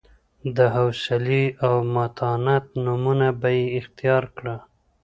د حوصلې او متانت نمونه به یې اختیار کړه.